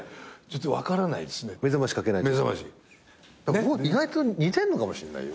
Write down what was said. ここ意外と似てんのかもしんないよ。